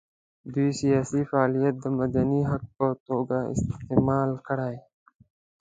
دوی سیاسي فعالیت د مدني حق په توګه استعمال کړي.